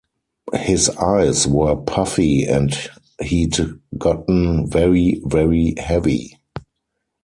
His eyes were puffy and he'd gotten very, very heavy.